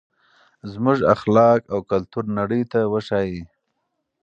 زموږ اخلاق او کلتور نړۍ ته وښایئ.